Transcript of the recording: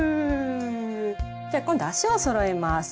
じゃ今度足をそろえます。